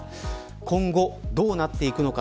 今後どうなっていくのか